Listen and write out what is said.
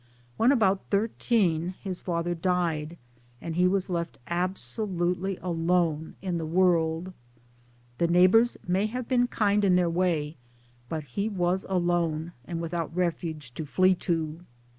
>When about thirteen his father died, and he was left absolutely alone in the world. The neighbours may have been kind in their way, but he was alone and without refuge to flee to.